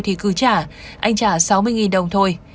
thì cứ trả anh trả sáu mươi đồng thôi